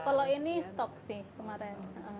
kalau ini stok sih kemarin